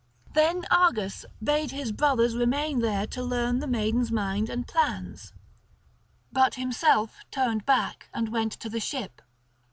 Then Argus bade his brothers remain there to learn the maiden's mind and plans, but himself turned back and went to the ship.